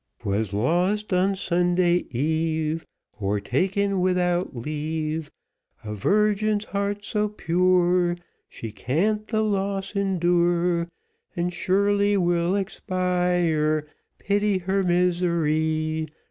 'Twas lost on Sunday eve, Or taken without leave, A virgin's heart so pure, She can't the loss endure, And surely will expire; Pity her misery.